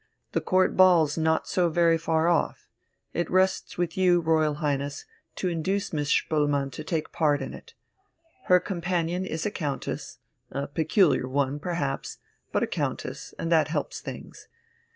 The Court Ball's not so very far off; it rests with you, Royal Highness, to induce Miss Spoelmann to take part in it. Her companion is a countess ... a peculiar one, perhaps, but a countess, and that helps things.